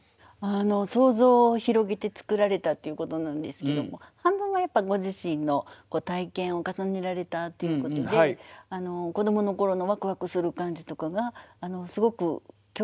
想像を広げて作られたっていうことなんですけども半分はやっぱご自身の体験を重ねられたっていうことで子どもの頃のワクワクする感じとかがすごく共感します。